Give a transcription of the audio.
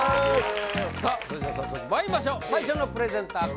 それでは早速まいりましょう最初のプレゼンター